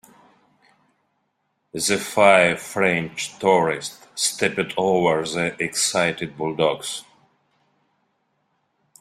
The five French tourists stepped over the excited bulldogs.